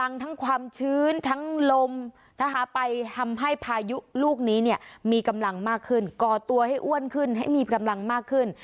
นี้มีกำลังมากขึ้นก่อตัวให้อ้วนขึ้นให้มีกำลังมากขึ้น